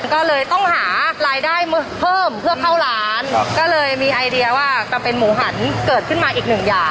ก็เลยต้องหารายได้เพิ่มเพื่อเข้าร้านก็เลยมีไอเดียว่าจะเป็นหมูหันเกิดขึ้นมาอีกหนึ่งอย่าง